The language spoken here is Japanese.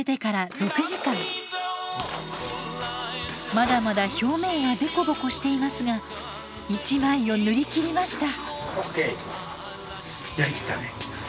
まだまだ表面はデコボコしていますが一枚を塗りきりました。